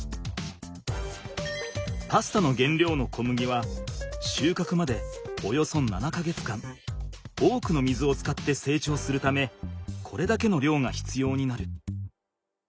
パスタのげんりょうの小麦はしゅうかくまでおよそ７か月間多くの水を使ってせいちょうするためこれだけの量が必要になる。